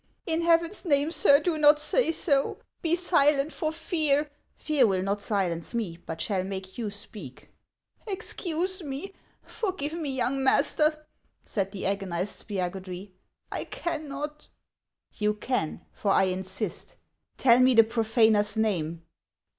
90 HANS OF ICELAND. " In Heaven's name, sir, do not say so ! Be silent, for fear —" Fear will not silence me, but shall make you speak." " Excuse me ; forgive me, young master !" said the agonized Spiagudry. " I cannot." " You can, for I insist. Tell me the profaner's name